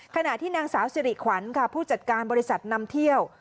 ขณะที่นางสาวสิริขวัญค่ะผู้จัดการบริษัทนำเที่ยว